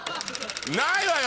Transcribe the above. ないわよ！